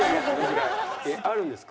えっあるんですか？